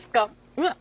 うわっ！